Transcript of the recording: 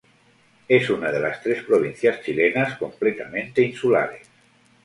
Es una de las tres provincias chilenas completamente insulares.